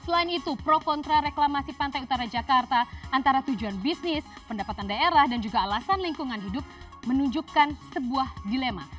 selain itu pro kontra reklamasi pantai utara jakarta antara tujuan bisnis pendapatan daerah dan juga alasan lingkungan hidup menunjukkan sebuah dilema